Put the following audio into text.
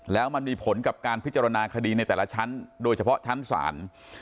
แล้วมันมีผลกับการพิจารณาคดีในแต่ละชั้นโดยเฉพาะชั้นศาล